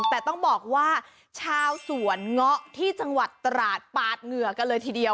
แต่ต้องบอกว่าชาวสวนเงาะที่จังหวัดตราดปาดเหงื่อกันเลยทีเดียว